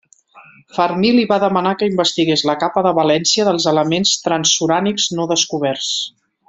Fermi li va demanar que investigués la capa de valència dels elements transurànics no descoberts.